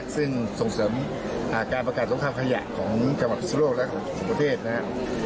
ซึ่งส่งเสริมการประกาศสงครามขยะของจังหวัดสุโลกและของประเทศนะครับ